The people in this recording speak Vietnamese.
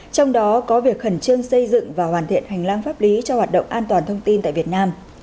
trong đó có việc khẩn trương xây dựng và hoàn thiện hành lang pháp lý cho hoạt động an toàn thông tin tại việt nam